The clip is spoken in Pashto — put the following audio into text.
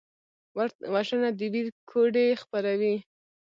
وژنه د ویر کوډې خپروي